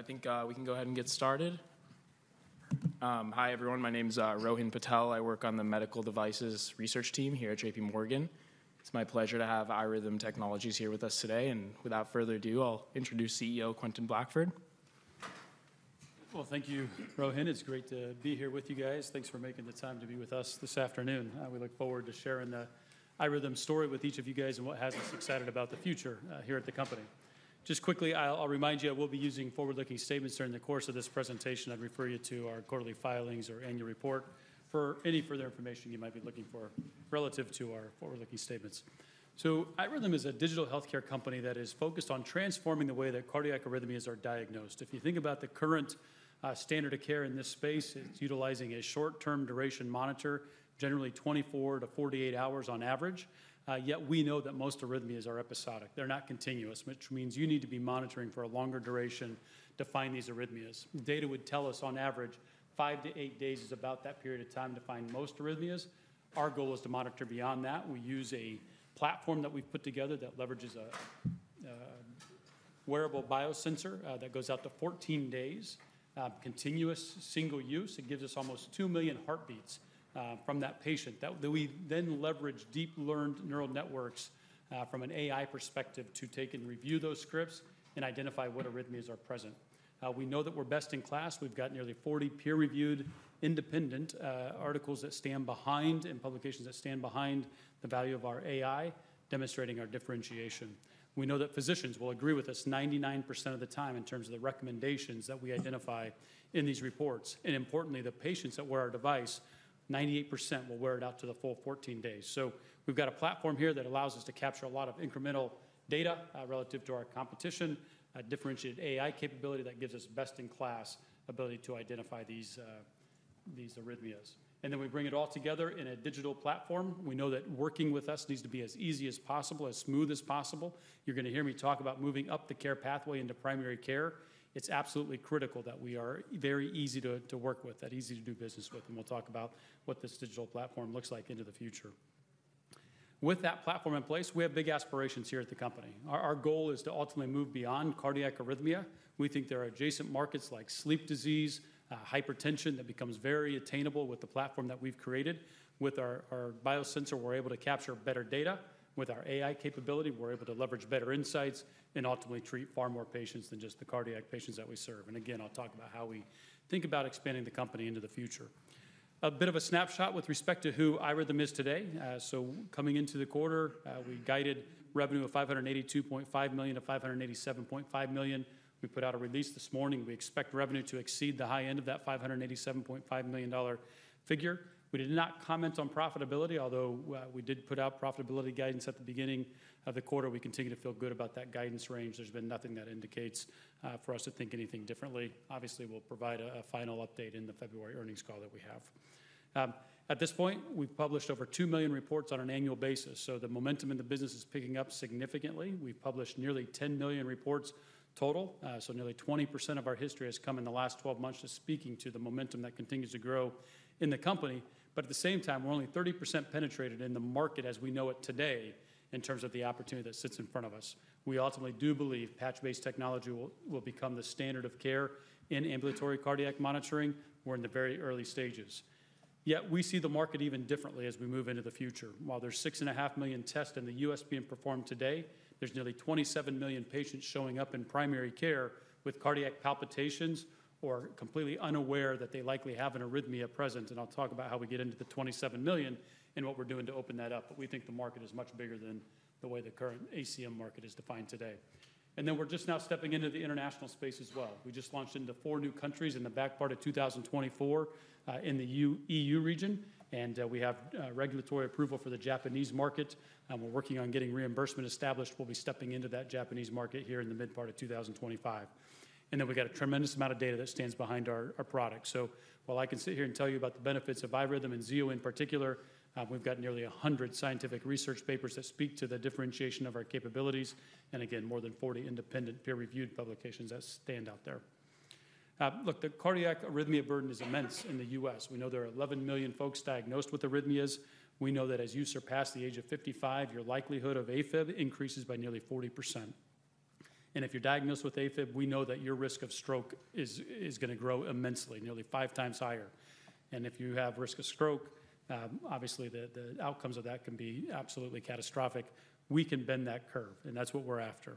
I think we can go ahead and get started. Hi, everyone. My name is Rohan Patel. I work on the medical devices research team here at JPMorgan. It's my pleasure to have iRhythm Technologies here with us today. And without further ado, I'll introduce CEO Quentin Blackford. Thank you, Rohan. It's great to be here with you guys. Thanks for making the time to be with us this afternoon. We look forward to sharing the iRhythm story with each of you guys and what has us excited about the future here at the company. Just quickly, I'll remind you, we'll be using forward-looking statements during the course of this presentation. I'd refer you to our quarterly filings or annual report for any further information you might be looking for relative to our forward-looking statements. iRhythm is a digital healthcare company that is focused on transforming the way that cardiac arrhythmias are diagnosed. If you think about the current standard of care in this space, it's utilizing a short-term duration monitor, generally 24 to 48 hours on average. Yet we know that most arrhythmias are episodic. They're not continuous, which means you need to be monitoring for a longer duration to find these arrhythmias. Data would tell us, on average, five to eight days is about that period of time to find most arrhythmias. Our goal is to monitor beyond that. We use a platform that we've put together that leverages a wearable biosensor that goes out to 14 days, continuous single use. It gives us almost two million heartbeats from that patient. We then leverage deep-learned neural networks from an AI perspective to take and review those scripts and identify what arrhythmias are present. We know that we're best in class. We've got nearly 40 peer-reviewed independent articles that stand behind and publications that stand behind the value of our AI, demonstrating our differentiation. We know that physicians will agree with us 99% of the time in terms of the recommendations that we identify in these reports. And importantly, the patients that wear our device, 98% will wear it out to the full 14 days. So we've got a platform here that allows us to capture a lot of incremental data relative to our competition, a differentiated AI capability that gives us best-in-class ability to identify these arrhythmias. And then we bring it all together in a digital platform. We know that working with us needs to be as easy as possible, as smooth as possible. You're going to hear me talk about moving up the care pathway into primary care. It's absolutely critical that we are very easy to work with, that easy to do business with. And we'll talk about what this digital platform looks like into the future. With that platform in place, we have big aspirations here at the company. Our goal is to ultimately move beyond cardiac arrhythmia. We think there are adjacent markets like sleep disease, hypertension that becomes very attainable with the platform that we've created. With our biosensor, we're able to capture better data. With our AI capability, we're able to leverage better insights and ultimately treat far more patients than just the cardiac patients that we serve. And again, I'll talk about how we think about expanding the company into the future. A bit of a snapshot with respect to who iRhythm is today. So coming into the quarter, we guided revenue of $582.5 million to $587.5 million. We put out a release this morning. We expect revenue to exceed the high end of that $587.5 million figure. We did not comment on profitability, although we did put out profitability guidance at the beginning of the quarter. We continue to feel good about that guidance range. There's been nothing that indicates for us to think anything differently. Obviously, we'll provide a final update in the February earnings call that we have. At this point, we've published over two million reports on an annual basis. So the momentum in the business is picking up significantly. We've published nearly 10 million reports total. So nearly 20% of our history has come in the last 12 months, to speaking to the momentum that continues to grow in the company. But at the same time, we're only 30% penetrated in the market as we know it today in terms of the opportunity that sits in front of us. We ultimately do believe patch-based technology will become the standard of care in ambulatory cardiac monitoring. We're in the very early stages. Yet we see the market even differently as we move into the future. While there's 6.5 million tests in the U.S. being performed today, there's nearly 27 million patients showing up in primary care with cardiac palpitations or completely unaware that they likely have an arrhythmia present. And I'll talk about how we get into the 27 million and what we're doing to open that up. But we think the market is much bigger than the way the current ACM market is defined today. And then we're just now stepping into the international space as well. We just launched into four new countries in the back part of 2024 in the E.U. region. And we have regulatory approval for the Japanese market. We're working on getting reimbursement established. We'll be stepping into that Japanese market here in the mid-part of 2025, and then we've got a tremendous amount of data that stands behind our product. So while I can sit here and tell you about the benefits of iRhythm and Zio in particular, we've got nearly 100 scientific research papers that speak to the differentiation of our capabilities, and again, more than 40 independent peer-reviewed publications that stand out there. Look, the cardiac arrhythmia burden is immense in the U.S. We know there are 11 million folks diagnosed with arrhythmias. We know that as you surpass the age of 55, your likelihood of AFib increases by nearly 40%. And if you're diagnosed with AFib, we know that your risk of stroke is going to grow immensely, nearly five times higher. And if you have risk of stroke, obviously the outcomes of that can be absolutely catastrophic. We can bend that curve. That's what we're after.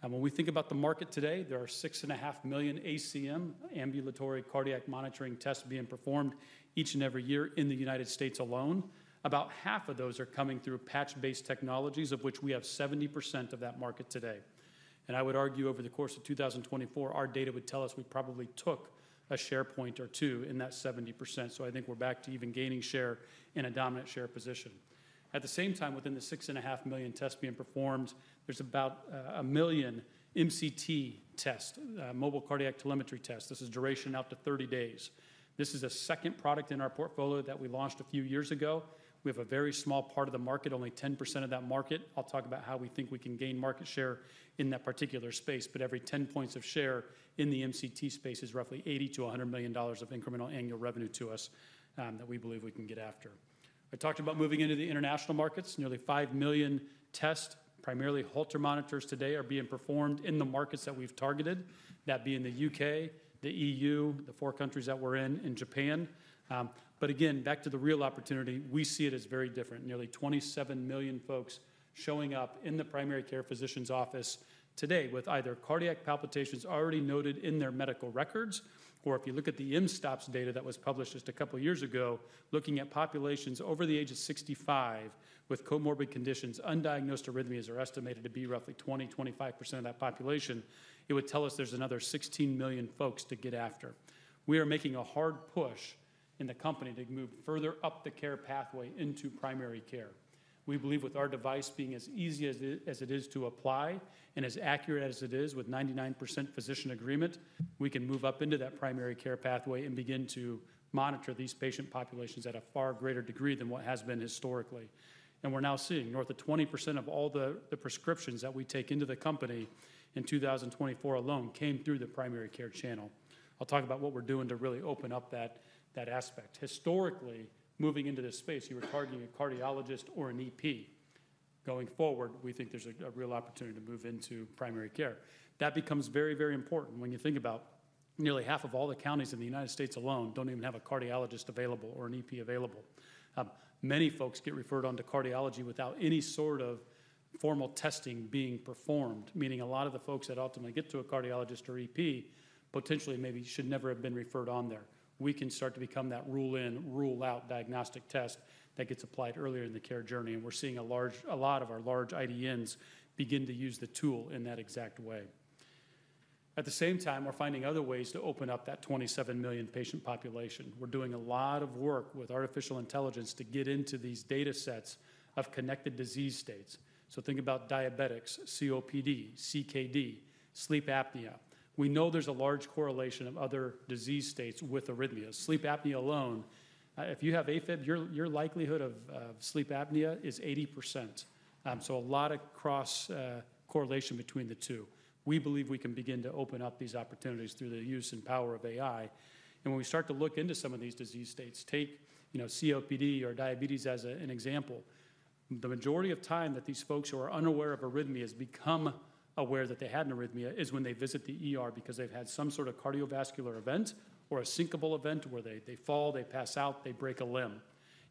When we think about the market today, there are 6.5 million ACM ambulatory cardiac monitoring tests being performed each and every year in the United States alone. About half of those are coming through patch-based technologies, of which we have 70% of that market today. I would argue over the course of 2024, our data would tell us we probably took a share point or two in that 70%. I think we're back to even gaining share in a dominant share position. At the same time, within the 6.5 million tests being performed, there's about a million MCT tests, mobile cardiac telemetry tests. This is duration out to 30 days. This is a second product in our portfolio that we launched a few years ago. We have a very small part of the market, only 10% of that market. I'll talk about how we think we can gain market share in that particular space. But every 10 points of share in the MCT space is roughly $80-$100 million of incremental annual revenue to us that we believe we can get after. I talked about moving into the international markets. Nearly five million tests, primarily Holter monitors today, are being performed in the markets that we've targeted, that being the U.K., the E.U., the four countries that we're in, and Japan. But again, back to the real opportunity, we see it as very different. Nearly 27 million folks showing up in the primary care physician's office today with either cardiac palpitations already noted in their medical records, or if you look at the mSToPS data that was published just a couple of years ago, looking at populations over the age of 65 with comorbid conditions, undiagnosed arrhythmias are estimated to be roughly 20%-25% of that population. It would tell us there's another 16 million folks to get after. We are making a hard push in the company to move further up the care pathway into primary care. We believe with our device being as easy as it is to apply and as accurate as it is with 99% physician agreement, we can move up into that primary care pathway and begin to monitor these patient populations at a far greater degree than what has been historically. And we're now seeing north of 20% of all the prescriptions that we take into the company in 2024 alone came through the primary care channel. I'll talk about what we're doing to really open up that aspect. Historically, moving into this space, you were targeting a cardiologist or an EP. Going forward, we think there's a real opportunity to move into primary care. That becomes very, very important when you think about nearly half of all the counties in the United States alone don't even have a cardiologist available or an EP available. Many folks get referred on to cardiology without any sort of formal testing being performed, meaning a lot of the folks that ultimately get to a cardiologist or EP potentially maybe should never have been referred on there. We can start to become that rule-in, rule-out diagnostic test that gets applied earlier in the care journey. We're seeing a lot of our large IDNs begin to use the tool in that exact way. At the same time, we're finding other ways to open up that 27 million patient population. We're doing a lot of work with artificial intelligence to get into these data sets of connected disease states. So think about diabetics, COPD, CKD, sleep apnea. We know there's a large correlation of other disease states with arrhythmias. Sleep apnea alone, if you have AFib, your likelihood of sleep apnea is 80%. So a lot of cross-correlation between the two. We believe we can begin to open up these opportunities through the use and power of AI. And when we start to look into some of these disease states, take COPD or diabetes as an example, the majority of time that these folks who are unaware of arrhythmias become aware that they had an arrhythmia is when they visit the ER because they've had some sort of cardiovascular event or a syncopal event where they fall, they pass out, they break a limb.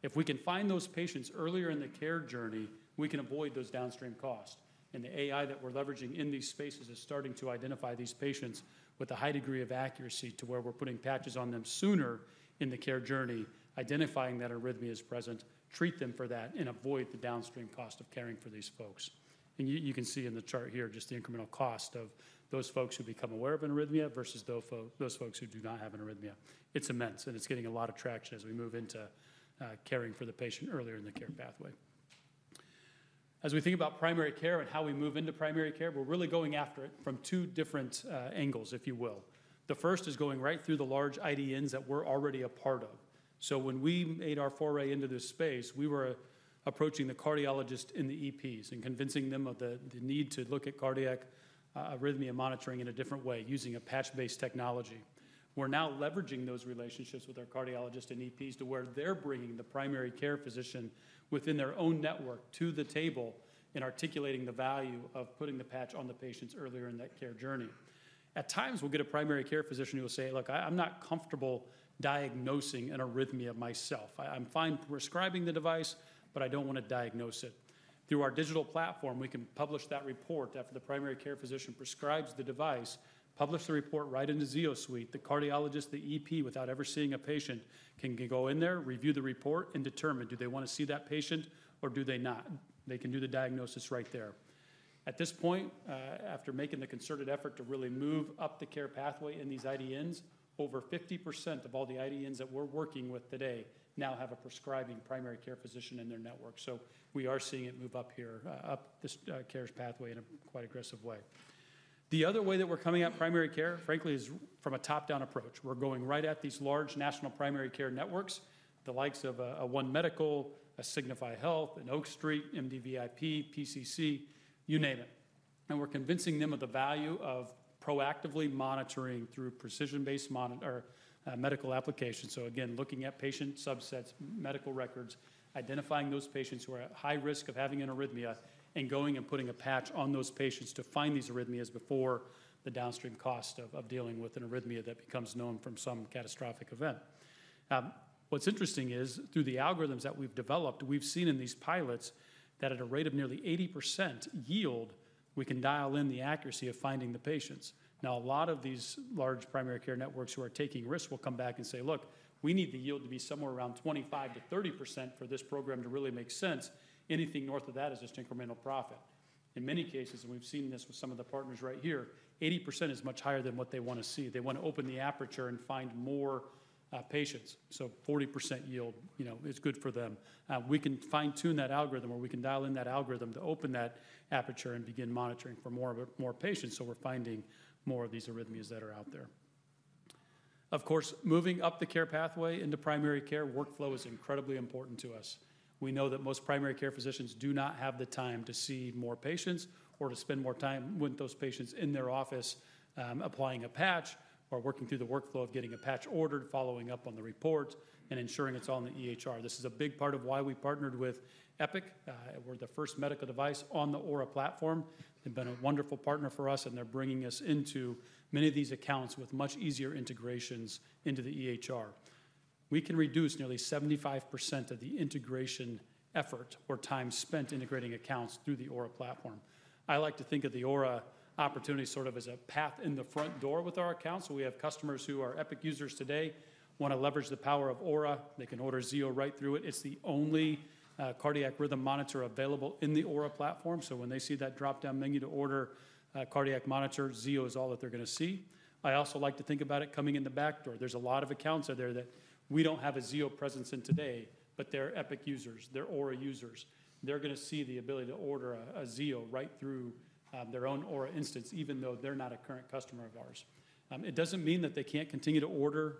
If we can find those patients earlier in the care journey, we can avoid those downstream costs. And the AI that we're leveraging in these spaces is starting to identify these patients with a high degree of accuracy to where we're putting patches on them sooner in the care journey, identifying that arrhythmia is present, treat them for that, and avoid the downstream cost of caring for these folks. You can see in the chart here just the incremental cost of those folks who become aware of an arrhythmia versus those folks who do not have an arrhythmia. It's immense. It's getting a lot of traction as we move into caring for the patient earlier in the care pathway. As we think about primary care and how we move into primary care, we're really going after it from two different angles, if you will. The first is going right through the large IDNs that we're already a part of. So when we made our foray into this space, we were approaching the cardiologists and the EPs and convincing them of the need to look at cardiac arrhythmia monitoring in a different way using a patch-based technology. We're now leveraging those relationships with our cardiologists and EPs to where they're bringing the primary care physician within their own network to the table and articulating the value of putting the patch on the patients earlier in that care journey. At times, we'll get a primary care physician who will say, "Look, I'm not comfortable diagnosing an arrhythmia myself. I'm fine prescribing the device, but I don't want to diagnose it." Through our digital platform, we can publish that report after the primary care physician prescribes the device, publish the report right into Zio Suite. The cardiologist, the EP, without ever seeing a patient, can go in there, review the report, and determine do they want to see that patient or do they not. They can do the diagnosis right there. At this point, after making the concerted effort to really move up the care pathway in these IDNs, over 50% of all the IDNs that we're working with today now have a prescribing primary care physician in their network. So we are seeing it move up here, up this care pathway in a quite aggressive way. The other way that we're coming at primary care, frankly, is from a top-down approach. We're going right at these large national primary care networks, the likes of One Medical, Signify Health, and Oak Street Health, MDVIP, PCC, you name it. And we're convincing them of the value of proactively monitoring through precision-based medical applications. So again, looking at patient subsets, medical records, identifying those patients who are at high risk of having an arrhythmia and going and putting a patch on those patients to find these arrhythmias before the downstream cost of dealing with an arrhythmia that becomes known from some catastrophic event. What's interesting is through the algorithms that we've developed, we've seen in these pilots that at a rate of nearly 80% yield, we can dial in the accuracy of finding the patients. Now, a lot of these large primary care networks who are taking risks will come back and say, "Look, we need the yield to be somewhere around 25%-30% for this program to really make sense. Anything north of that is just incremental profit." In many cases, and we've seen this with some of the partners right here, 80% is much higher than what they want to see. They want to open the aperture and find more patients. So 40% yield is good for them. We can fine-tune that algorithm or we can dial in that algorithm to open that aperture and begin monitoring for more patients so we're finding more of these arrhythmias that are out there. Of course, moving up the care pathway into primary care workflow is incredibly important to us. We know that most primary care physicians do not have the time to see more patients or to spend more time with those patients in their office applying a patch or working through the workflow of getting a patch ordered, following up on the reports, and ensuring it's all in the EHR. This is a big part of why we partnered with Epic. We're the first medical device on the Aura platform. They've been a wonderful partner for us, and they're bringing us into many of these accounts with much easier integrations into the EHR. We can reduce nearly 75% of the integration effort or time spent integrating accounts through the Aura platform. I like to think of the Aura opportunity sort of as a path in the front door with our accounts. So we have customers who are Epic users today want to leverage the power of Aura. They can order Zio right through it. It's the only cardiac rhythm monitor available in the Aura platform. So when they see that drop-down menu to order a cardiac monitor, Zio is all that they're going to see. I also like to think about it coming in the back door. There's a lot of accounts out there that we don't have a Zio presence in today, but they're Epic users. They're Aura users. They're going to see the ability to order a Zio right through their own Aura instance, even though they're not a current customer of ours. It doesn't mean that they can't continue to order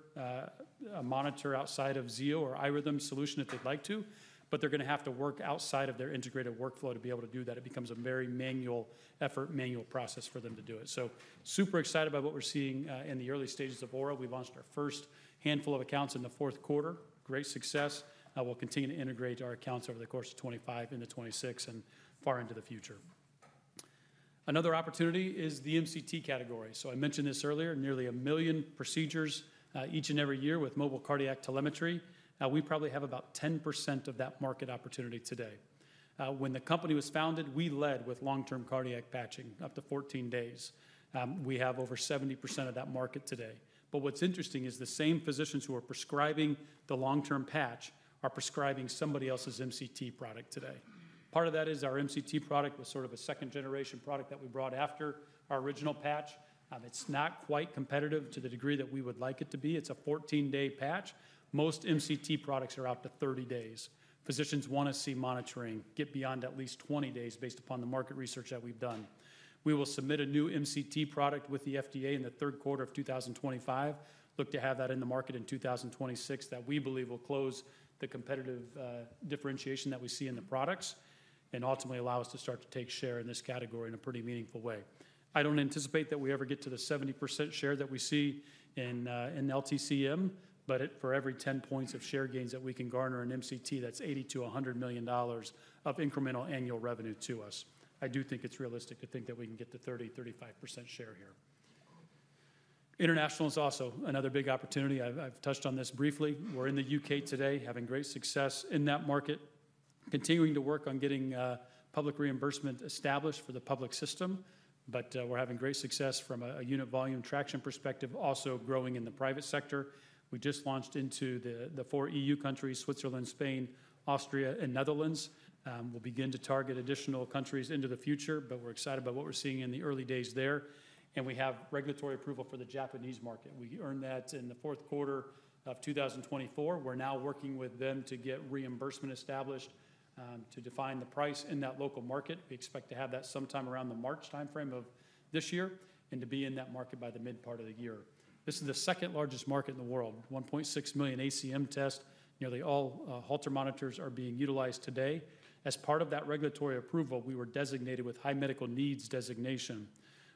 a monitor outside of Zio or iRhythm solution if they'd like to, but they're going to have to work outside of their integrated workflow to be able to do that. It becomes a very manual effort, manual process for them to do it. So super excited by what we're seeing in the early stages of Aura. We launched our first handful of accounts in the fourth quarter. Great success. We'll continue to integrate our accounts over the course of 2025 into 2026 and far into the future. Another opportunity is the MCT category. So I mentioned this earlier, nearly a million procedures each and every year with mobile cardiac telemetry. We probably have about 10% of that market opportunity today. When the company was founded, we led with long-term cardiac patch up to 14 days. We have over 70% of that market today. But what's interesting is the same physicians who are prescribing the long-term patch are prescribing somebody else's MCT product today. Part of that is our MCT product was sort of a second-generation product that we brought after our original patch. It's not quite competitive to the degree that we would like it to be. It's a 14-day patch. Most MCT products are out to 30 days. Physicians want to see monitoring get beyond at least 20 days based upon the market research that we've done. We will submit a new MCT product with the FDA in the third quarter of 2025. Look to have that in the market in 2026 that we believe will close the competitive differentiation that we see in the products and ultimately allow us to start to take share in this category in a pretty meaningful way. I don't anticipate that we ever get to the 70% share that we see in LTCM, but for every 10 points of share gains that we can garner in MCT, that's $80 million-$100 million of incremental annual revenue to us. I do think it's realistic to think that we can get to 30%-35% share here. International is also another big opportunity. I've touched on this briefly. We're in the U.K. today, having great success in that market, continuing to work on getting public reimbursement established for the public system. But we're having great success from a unit volume traction perspective, also growing in the private sector. We just launched into the four E.U. countries, Switzerland, Spain, Austria, and Netherlands. We'll begin to target additional countries into the future, but we're excited about what we're seeing in the early days there, and we have regulatory approval for the Japanese market. We earned that in the fourth quarter of 2024. We're now working with them to get reimbursement established to define the price in that local market. We expect to have that sometime around the March timeframe of this year and to be in that market by the mid-part of the year. This is the second largest market in the world, 1.6 million ACM tests. Nearly all Holter monitors are being utilized today. As part of that regulatory approval, we were designated with High Medical Needs designation,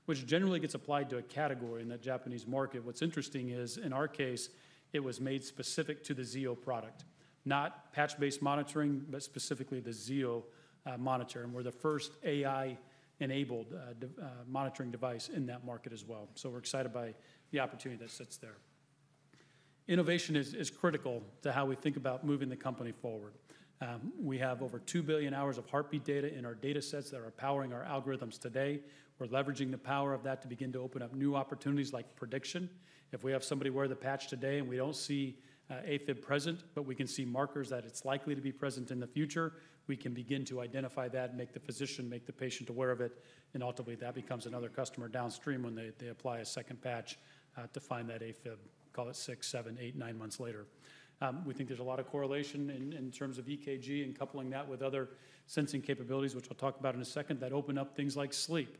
which generally gets applied to a category in that Japanese market. What's interesting is, in our case, it was made specific to the Zio product, not patch-based monitoring, but specifically the Zio monitor, and we're the first AI-enabled monitoring device in that market as well, so we're excited by the opportunity that sits there. Innovation is critical to how we think about moving the company forward. We have over 2 billion hours of heartbeat data in our data sets that are powering our algorithms today. We're leveraging the power of that to begin to open up new opportunities like prediction. If we have somebody wear the patch today and we don't see AFib present, but we can see markers that it's likely to be present in the future, we can begin to identify that, make the physician, make the patient aware of it. Ultimately, that becomes another customer downstream when they apply a second patch to find that AFib, call it six, seven, eight, nine months later. We think there's a lot of correlation in terms of EKG and coupling that with other sensing capabilities, which I'll talk about in a second, that open up things like sleep.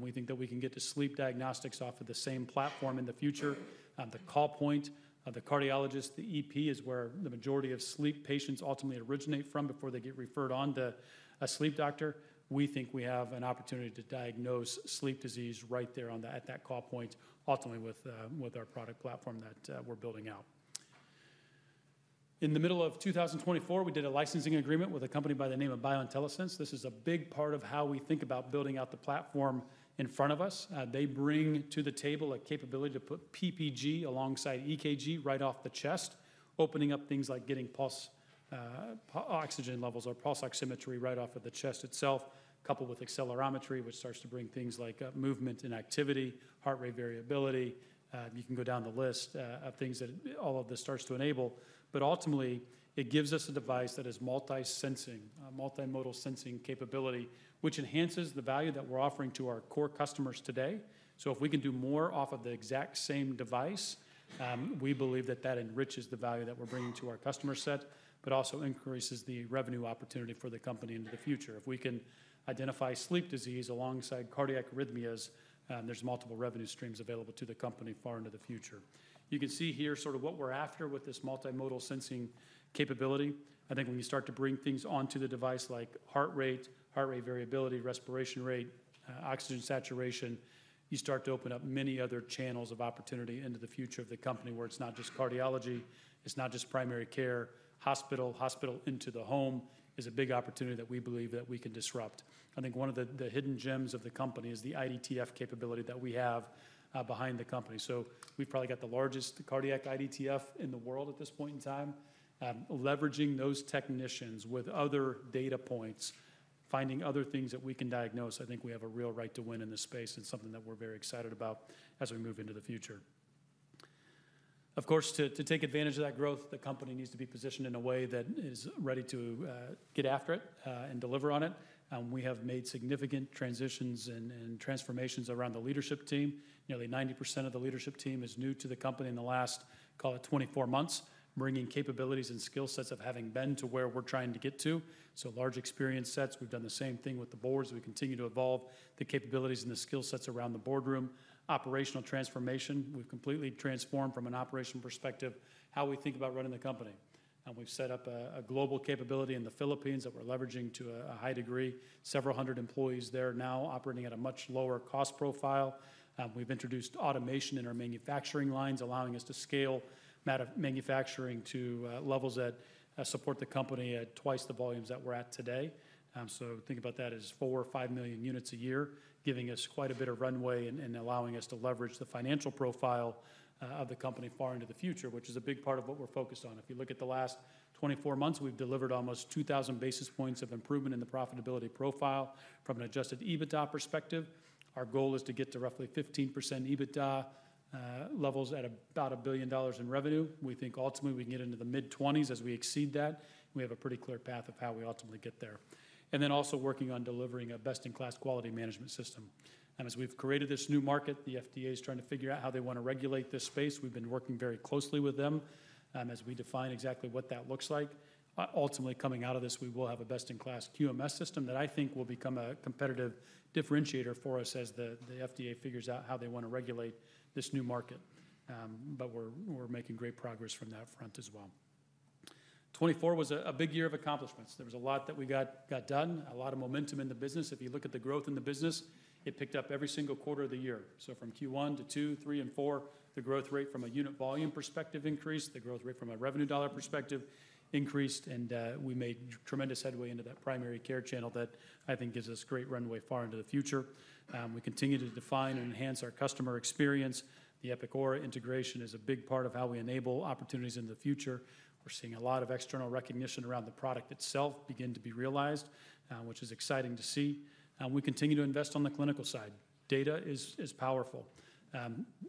We think that we can get to sleep diagnostics off of the same platform in the future. The call point of the cardiologist, the EP, is where the majority of sleep patients ultimately originate from before they get referred on to a sleep doctor. We think we have an opportunity to diagnose sleep disease right there at that call point, ultimately with our product platform that we're building out. In the middle of 2024, we did a licensing agreement with a company by the name of BioIntelliSense. This is a big part of how we think about building out the platform in front of us. They bring to the table a capability to put PPG alongside EKG right off the chest, opening up things like getting pulse oxygen levels or pulse oximetry right off of the chest itself, coupled with accelerometry, which starts to bring things like movement and activity, heart rate variability. You can go down the list of things that all of this starts to enable. But ultimately, it gives us a device that is multi-sensing, multi-modal sensing capability, which enhances the value that we're offering to our core customers today. So if we can do more off of the exact same device, we believe that that enriches the value that we're bringing to our customer set, but also increases the revenue opportunity for the company into the future. If we can identify sleep apnea alongside cardiac arrhythmias, there's multiple revenue streams available to the company far into the future. You can see here sort of what we're after with this multi-modal sensing capability. I think when you start to bring things onto the device like heart rate, heart rate variability, respiration rate, oxygen saturation, you start to open up many other channels of opportunity into the future of the company where it's not just cardiology, it's not just primary care, hospital, hospital into the home is a big opportunity that we believe that we can disrupt. I think one of the hidden gems of the company is the IDTF capability that we have behind the company. So we've probably got the largest cardiac IDTF in the world at this point in time. Leveraging those technicians with other data points, finding other things that we can diagnose, I think we have a real right to win in this space and something that we're very excited about as we move into the future. Of course, to take advantage of that growth, the company needs to be positioned in a way that is ready to get after it and deliver on it. We have made significant transitions and transformations around the leadership team. Nearly 90% of the leadership team is new to the company in the last, call it 24 months, bringing capabilities and skill sets of having been to where we're trying to get to. So large experience sets, we've done the same thing with the boards. We continue to evolve the capabilities and the skill sets around the boardroom. Operational transformation. We've completely transformed from an operational perspective how we think about running the company. We've set up a global capability in the Philippines that we're leveraging to a high degree. Several hundred employees there now operating at a much lower cost profile. We've introduced automation in our manufacturing lines, allowing us to scale manufacturing to levels that support the company at twice the volumes that we're at today. So think about that as four million or five million units a year, giving us quite a bit of runway and allowing us to leverage the financial profile of the company far into the future, which is a big part of what we're focused on. If you look at the last 24 months, we've delivered almost 2,000 basis points of improvement in the profitability profile from an adjusted EBITDA perspective. Our goal is to get to roughly 15% EBITDA levels at about $1 billion in revenue. We think ultimately we can get into the mid-20s as we exceed that. We have a pretty clear path of how we ultimately get there, and then also working on delivering a best-in-class quality management system. As we've created this new market, the FDA is trying to figure out how they want to regulate this space. We've been working very closely with them as we define exactly what that looks like. Ultimately, coming out of this, we will have a best-in-class QMS system that I think will become a competitive differentiator for us as the FDA figures out how they want to regulate this new market. But we're making great progress from that front as well. 2024 was a big year of accomplishments. There was a lot that we got done, a lot of momentum in the business. If you look at the growth in the business, it picked up every single quarter of the year. So from Q1 to Q2, Q3, and Q4, the growth rate from a unit volume perspective increased, the growth rate from a revenue dollar perspective increased, and we made tremendous headway into that primary care channel that I think gives us great runway far into the future. We continue to define and enhance our customer experience. The Epic Aura integration is a big part of how we enable opportunities in the future. We're seeing a lot of external recognition around the product itself begin to be realized, which is exciting to see. We continue to invest on the clinical side. Data is powerful.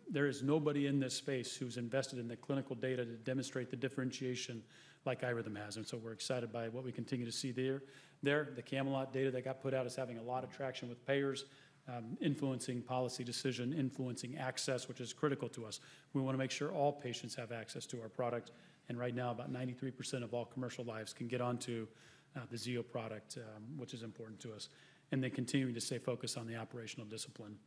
There is nobody in this space who's invested in the clinical data to demonstrate the differentiation like iRhythm has. So we're excited by what we continue to see there. The CAMELOT data that got put out is having a lot of traction with payers, influencing policy decision, influencing access, which is critical to us. We want to make sure all patients have access to our product. Right now, about 93% of all commercial lives can get onto the Zio product, which is important to us. Then continuing to stay focused on the operational discipline.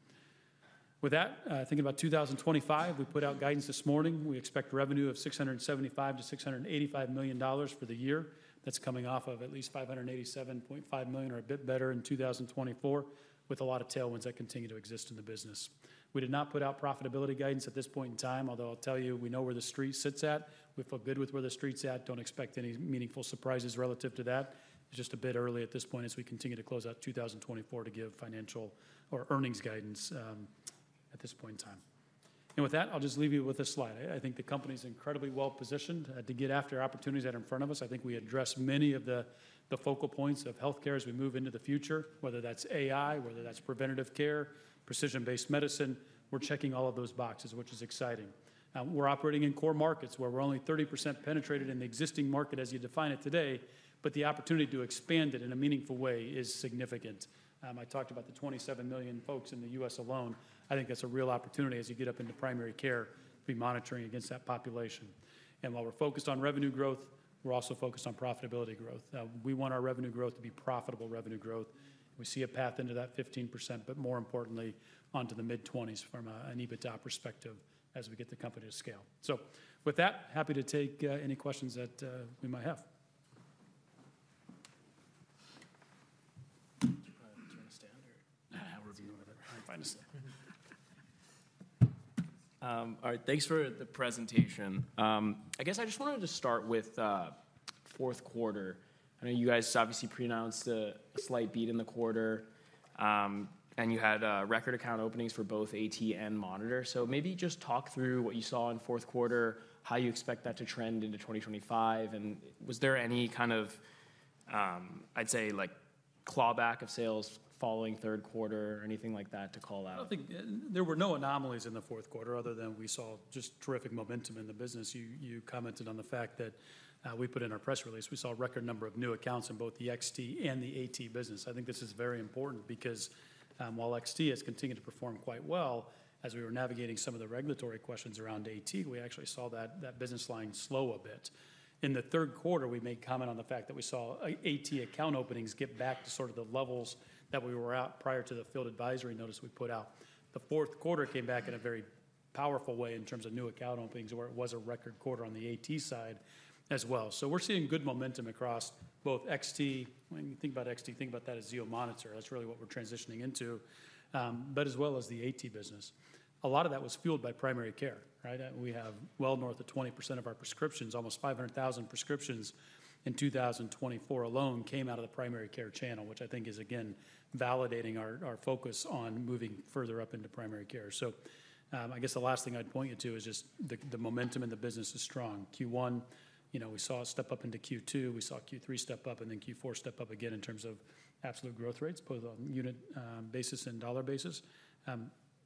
With that, think about 2025. We put out guidance this morning. We expect revenue of $675 million to $685 million for the year. That's coming off of at least $587.5 million or a bit better in 2024, with a lot of tailwinds that continue to exist in the business. We did not put out profitability guidance at this point in time, although I'll tell you, we know where the street sits at. We're aligned with where the street's at. Don't expect any meaningful surprises relative to that. It's just a bit early at this point as we continue to close out 2024 to give financial or earnings guidance at this point in time. With that, I'll just leave you with a slide. I think the company is incredibly well positioned to get after opportunities that are in front of us. I think we address many of the focal points of healthcare as we move into the future, whether that's AI, whether that's preventive care, precision-based medicine. We're checking all of those boxes, which is exciting. We're operating in core markets where we're only 30% penetrated in the existing market as you define it today, but the opportunity to expand it in a meaningful way is significant. I talked about the 27 million folks in the U.S. alone. I think that's a real opportunity as you get up into primary care to be monitoring against that population. And while we're focused on revenue growth, we're also focused on profitability growth. We want our revenue growth to be profitable revenue growth. We see a path into that 15%, but more importantly, onto the mid-20s from an EBITDA perspective as we get the company to scale. So with that, happy to take any questions that you might have. All right, thanks for the presentation. I guess I just wanted to start with fourth quarter. I know you guys obviously pre-announced a slight beat in the quarter, and you had record account openings for both AT and monitor. So maybe just talk through what you saw in fourth quarter, how you expect that to trend into 2025, and was there any kind of, I'd say, clawback of sales following third quarter or anything like that to call out? I don't think there were no anomalies in the fourth quarter other than we saw just terrific momentum in the business. You commented on the fact that we put in our press release, we saw a record number of new accounts in both the XT and the AT business. I think this is very important because while XT has continued to perform quite well, as we were navigating some of the regulatory questions around AT, we actually saw that business line slow a bit. In the third quarter, we made comment on the fact that we saw AT account openings get back to sort of the levels that we were at prior to the field advisory notice we put out. The fourth quarter came back in a very powerful way in terms of new account openings where it was a record quarter on the AT side as well. So we're seeing good momentum across both XT. When you think about XT, think about that as Zio Monitor. That's really what we're transitioning into, but as well as the AT business. A lot of that was fueled by primary care, right? We have well north of 20% of our prescriptions, almost 500,000 prescriptions in 2024 alone came out of the primary care channel, which I think is, again, validating our focus on moving further up into primary care. So I guess the last thing I'd point you to is just the momentum in the business is strong. Q1, we saw a step up into Q2, we saw Q3 step up, and then Q4 step up again in terms of absolute growth rates, both on unit basis and dollar basis,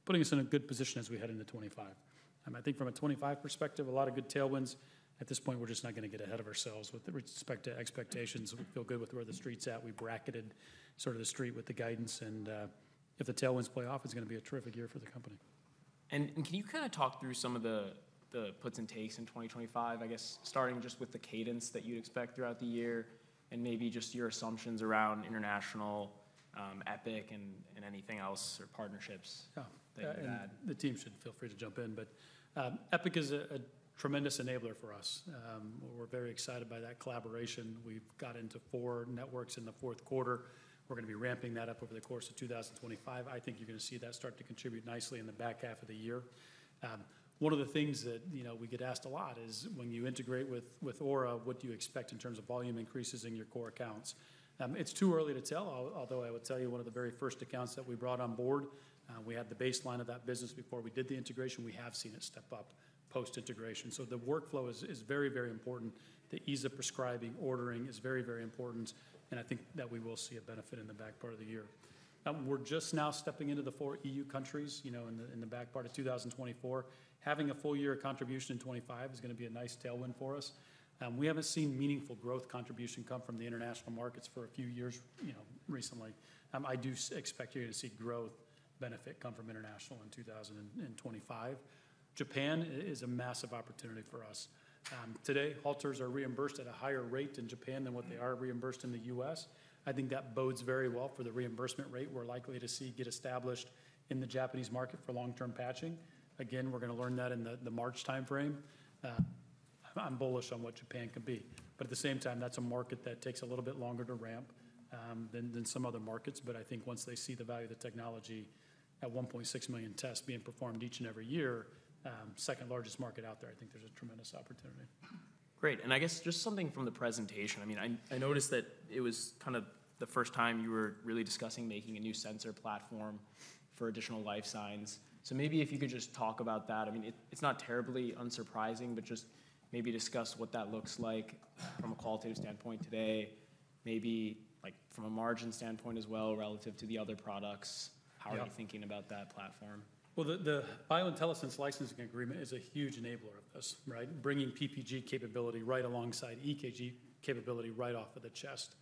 putting us in a good position as we head into 2025. I think from a 2025 perspective, a lot of good tailwinds. At this point, we're just not going to get ahead of ourselves with respect to expectations. We feel good with where the street's at. We bracketed sort of the street with the guidance, and if the tailwinds play off, it's going to be a terrific year for the company. And can you kind of talk through some of the puts and takes in 2025, I guess, starting just with the cadence that you'd expect throughout the year and maybe just your assumptions around international, Epic and anything else or partnerships that you had? The team should feel free to jump in, but Epic is a tremendous enabler for us. We're very excited by that collaboration. We've got into four networks in the fourth quarter. We're going to be ramping that up over the course of 2025. I think you're going to see that start to contribute nicely in the back half of the year. One of the things that we get asked a lot is when you integrate with Aura, what do you expect in terms of volume increases in your core accounts? It's too early to tell, although I would tell you one of the very first accounts that we brought on board. We had the baseline of that business before we did the integration. We have seen it step up post-integration. So the workflow is very, very important. The ease of prescribing, ordering is very, very important, and I think that we will see a benefit in the back part of the year. We're just now stepping into the four E.U. countries in the back part of 2024. Having a full year of contribution in 2025 is going to be a nice tailwind for us. We haven't seen meaningful growth contribution come from the international markets for a few years recently. I do expect you to see growth benefit come from international in 2025. Japan is a massive opportunity for us. Today, Holter monitors are reimbursed at a higher rate in Japan than what they are reimbursed in the U.S. I think that bodes very well for the reimbursement rate we're likely to see get established in the Japanese market for long-term patching. Again, we're going to learn that in the March timeframe. I'm bullish on what Japan could be, but at the same time, that's a market that takes a little bit longer to ramp than some other markets. But I think once they see the value of the technology at 1.6 million tests being performed each and every year, second largest market out there, I think there's a tremendous opportunity. Great. And I guess just something from the presentation. I mean, I noticed that it was kind of the first time you were really discussing making a new sensor platform for additional life signs. So maybe if you could just talk about that. I mean, it's not terribly unsurprising, but just maybe discuss what that looks like from a qualitative standpoint today, maybe from a margin standpoint as well relative to the other products. How are you thinking about that platform? Well, the BioIntelliSense licensing agreement is a huge enabler of this, right? Bringing PPG capability right alongside EKG capability right off of the chest.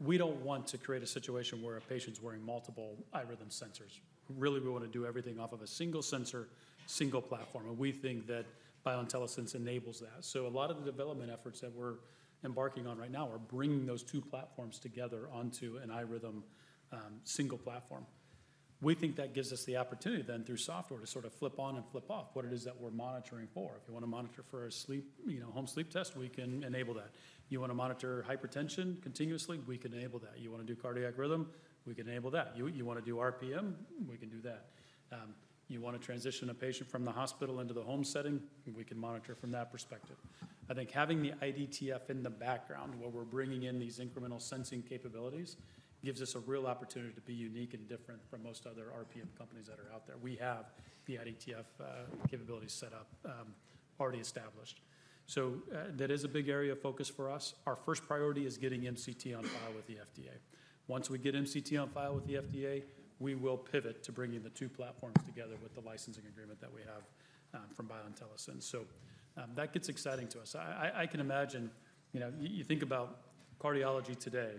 We don't want to create a situation where a patient's wearing multiple iRhythm sensors. Really, we want to do everything off of a single sensor, single platform. And we think that BioIntelliSense enables that. So a lot of the development efforts that we're embarking on right now are bringing those two platforms together onto an iRhythm single platform. We think that gives us the opportunity then through software to sort of flip on and flip off what it is that we're monitoring for. If you want to monitor for a home sleep test, we can enable that. You want to monitor hypertension continuously, we can enable that. You want to do cardiac rhythm, we can enable that. You want to do RPM, we can do that. You want to transition a patient from the hospital into the home setting, we can monitor from that perspective. I think having the IDTF in the background, where we're bringing in these incremental sensing capabilities, gives us a real opportunity to be unique and different from most other RPM companies that are out there. We have the IDTF capabilities set up, already established. So that is a big area of focus for us. Our first priority is getting MCT on file with the FDA. Once we get MCT on file with the FDA, we will pivot to bringing the two platforms together with the licensing agreement that we have from BioIntelliSense. So that gets exciting to us. I can imagine you think about cardiology today.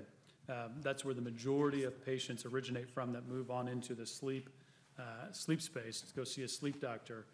That's where the majority of patients originate from that move on into the sleep space to go see a sleep doctor.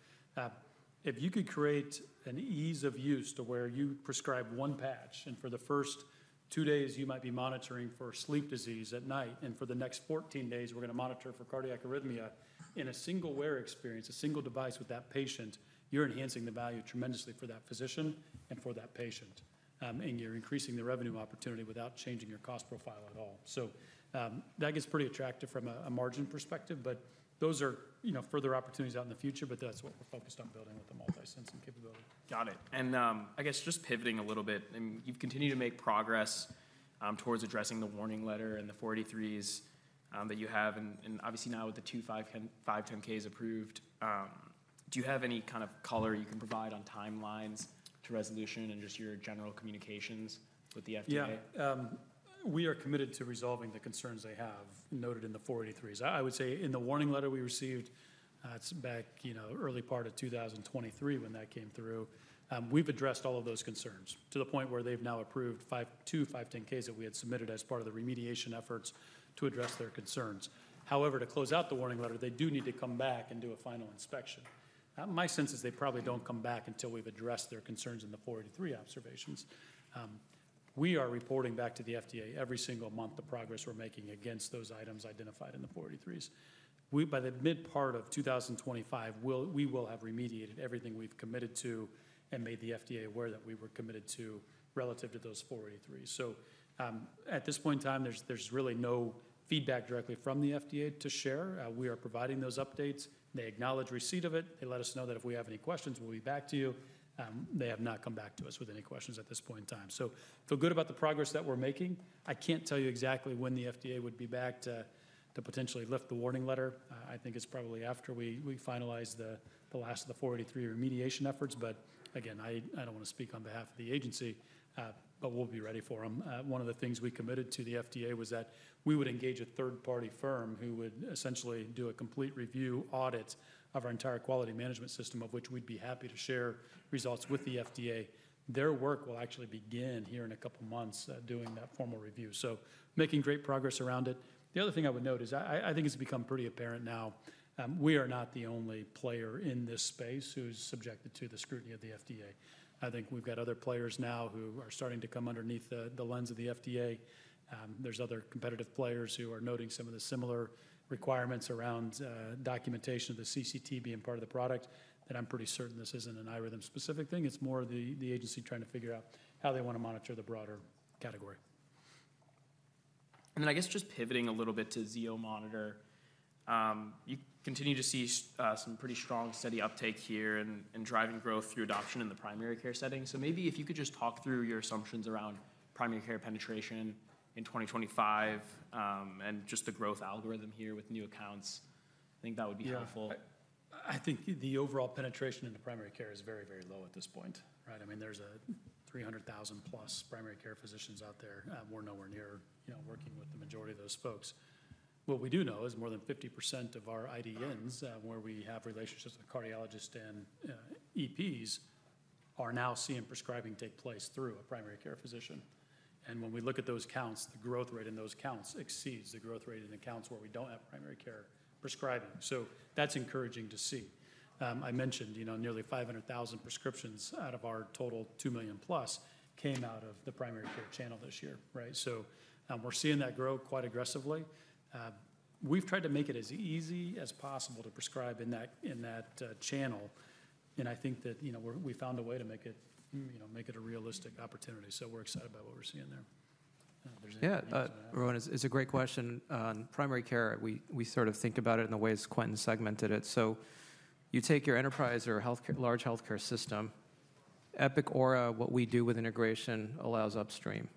If you could create an ease of use to where you prescribe one patch and for the first two days you might be monitoring for sleep disease at night, and for the next 14 days we're going to monitor for cardiac arrhythmia in a single wear experience, a single device with that patient, you're enhancing the value tremendously for that physician and for that patient. And you're increasing the revenue opportunity without changing your cost profile at all. So that gets pretty attractive from a margin perspective, but those are further opportunities out in the future, but that's what we're focused on building with the multi-sensing capability. Got it. And I guess just pivoting a little bit, you've continued to make progress towards addressing the Warning Letter and the FDA 483s that you have. And obviously now with the two 510(k) submissions approved, do you have any kind of color you can provide on timelines to resolution and just your general communications with the FDA? Yeah. We are committed to resolving the concerns they have noted in the 483s. I would say in the warning letter we received back early part of 2023 when that came through, we've addressed all of those concerns to the point where they've now approved two 510(k)s that we had submitted as part of the remediation efforts to address their concerns. However, to close out the warning letter, they do need to come back and do a final inspection. My sense is they probably don't come back until we've addressed their concerns in the 483 observations. We are reporting back to the FDA every single month the progress we're making against those items identified in the 483s. By the mid part of 2025, we will have remediated everything we've committed to and made the FDA aware that we were committed to relative to those 483s. So at this point in time, there's really no feedback directly from the FDA to share. We are providing those updates. They acknowledge receipt of it. They let us know that if we have any questions, we'll be back to you. They have not come back to us with any questions at this point in time. So feel good about the progress that we're making. I can't tell you exactly when the FDA would be back to potentially lift the warning letter. I think it's probably after we finalize the last of the 483 remediation efforts. But again, I don't want to speak on behalf of the agency, but we'll be ready for them. One of the things we committed to the FDA was that we would engage a third-party firm who would essentially do a complete review audit of our entire quality management system, of which we'd be happy to share results with the FDA. Their work will actually begin here in a couple of months doing that formal review so making great progress around it. The other thing I would note is I think it's become pretty apparent now. We are not the only player in this space who's subjected to the scrutiny of the FDA. I think we've got other players now who are starting to come underneath the lens of the FDA. There's other competitive players who are noting some of the similar requirements around documentation of the CCT being part of the product that I'm pretty certain this isn't an iRhythm specific thing. It's more of the agency trying to figure out how they want to monitor the broader category. And then I guess just pivoting a little bit to Zio Monitor, you continue to see some pretty strong steady uptake here and driving growth through adoption in the primary care setting. So maybe if you could just talk through your assumptions around primary care penetration in 2025 and just the growth algorithm here with new accounts, I think that would be helpful. Yeah. I think the overall penetration in the primary care is very, very low at this point, right? I mean, there's 300,000 plus primary care physicians out there. We're nowhere near working with the majority of those folks. What we do know is more than 50% of our IDNs where we have relationships with cardiologists and EPs are now seeing prescribing take place through a primary care physician. And when we look at those counts, the growth rate in those counts exceeds the growth rate in the counts where we don't have primary care prescribing. So that's encouraging to see. I mentioned nearly 500,000 prescriptions out of our total 2 million plus came out of the primary care channel this year, right? So we're seeing that grow quite aggressively. We've tried to make it as easy as possible to prescribe in that channel. And I think that we found a way to make it a realistic opportunity. So we're excited about what we're seeing there. Yeah. It's a great question. On primary care, we sort of think about it in the ways Quentin segmented it. So you take your enterprise or large healthcare system, Epic, Aura, what we do with integration allows upstream.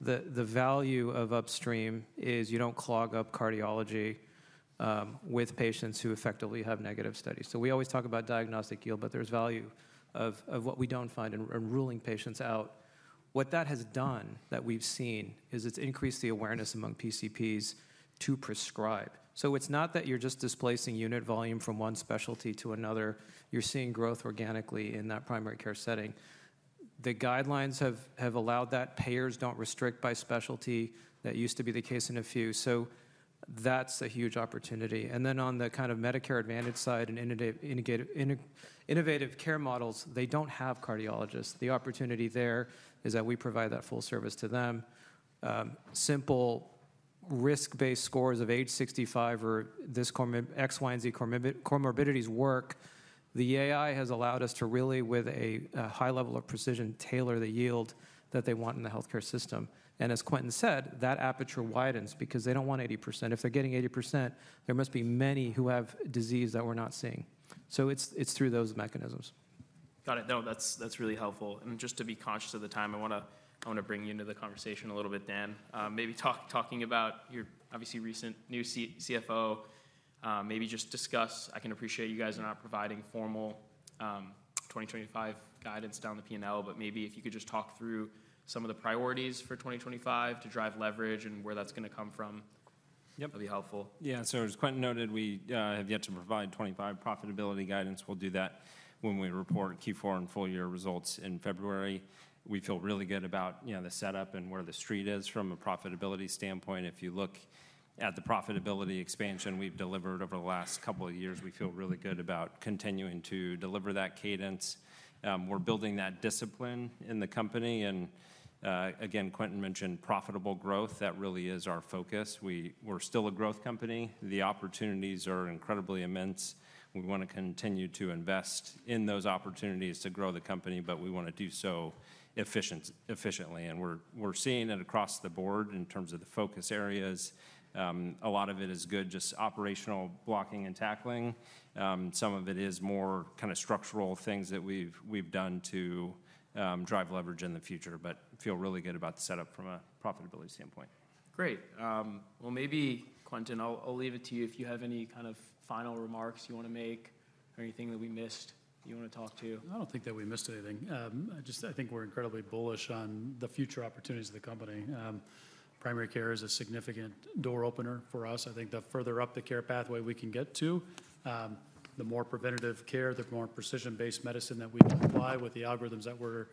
The value of upstream is you don't clog up cardiology with patients who effectively have negative studies, so we always talk about diagnostic yield, but there's value of what we don't find in ruling patients out. What that has done that we've seen is it's increased the awareness among PCPs to prescribe, so it's not that you're just displacing unit volume from one specialty to another. You're seeing growth organically in that primary care setting. The guidelines have allowed that. Payers don't restrict by specialty. That used to be the case in a few, so that's a huge opportunity, and then on the kind of Medicare Advantage side and innovative care models, they don't have cardiologists. The opportunity there is that we provide that full service to them. Simple risk-based scores of age 65 or this X, Y, and Z comorbidities work. The AI has allowed us to really, with a high level of precision, tailor the yield that they want in the healthcare system. As Quentin said, that aperture widens because they don't want 80%. If they're getting 80%, there must be many who have disease that we're not seeing. So it's through those mechanisms. Got it. No, that's really helpful. Just to be conscious of the time, I want to bring you into the conversation a little bit, Dan. Maybe talking about you're obviously recent new CFO, maybe just discuss. I can appreciate you guys are not providing formal 2025 guidance down the P&L, but maybe if you could just talk through some of the priorities for 2025 to drive leverage and where that's going to come from, that'd be helpful. Yeah. So as Quentin noted, we have yet to provide 2025 profitability guidance. We'll do that when we report Q4 and full year results in February. We feel really good about the setup and where the street is from a profitability standpoint. If you look at the profitability expansion we've delivered over the last couple of years, we feel really good about continuing to deliver that cadence. We're building that discipline in the company. And again, Quentin mentioned profitable growth. That really is our focus. We're still a growth company. The opportunities are incredibly immense. We want to continue to invest in those opportunities to grow the company, but we want to do so efficiently. And we're seeing it across the board in terms of the focus areas. A lot of it is good just operational blocking and tackling. Some of it is more kind of structural things that we've done to drive leverage in the future, but feel really good about the setup from a profitability standpoint. Great. Well, maybe Quentin, I'll leave it to you. If you have any kind of final remarks you want to make or anything that we missed you want to talk to. I don't think that we missed anything. I think we're incredibly bullish on the future opportunities of the company. Primary care is a significant door opener for us. I think the further up the care pathway we can get to, the more preventative care, the more precision-based medicine that we can apply with the algorithms that we're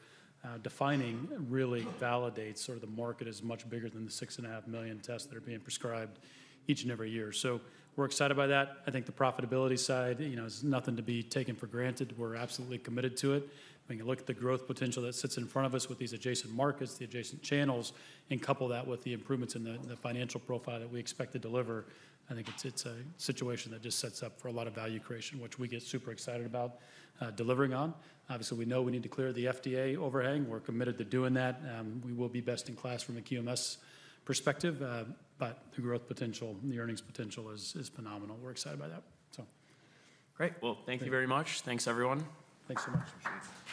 defining really validates sort of the market is much bigger than the 6.5 million tests that are being prescribed each and every year. So we're excited by that. I think the profitability side is nothing to be taken for granted. We're absolutely committed to it. When you look at the growth potential that sits in front of us with these adjacent markets, the adjacent channels, and couple that with the improvements in the financial profile that we expect to deliver, I think it's a situation that just sets up for a lot of value creation, which we get super excited about delivering on. Obviously, we know we need to clear the FDA overhang. We're committed to doing that. We will be best in class from a QMS perspective, but the growth potential, the earnings potential is phenomenal. We're excited by that, so. Great. Well, thank you very much. Thanks, everyone. Thanks so much. Appreciate it.